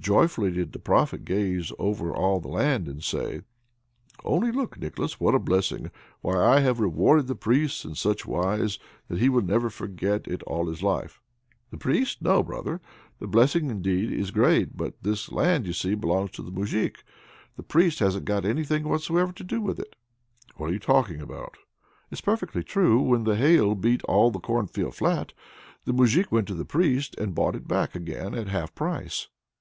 Joyfully did the Prophet gaze on all the land, and say: "Only look, Nicholas! what a blessing! Why, I have rewarded the Priest in such wise, that he will never forget it all his life." "The Priest? No, brother! the blessing indeed is great, but this land, you see, belongs to the Moujik. The Priest hasn't got anything whatsoever to do with it." "What are you talking about?" "It's perfectly true. When the hail beat all the cornfield flat, the Moujik went to the Priest and bought it back again at half price."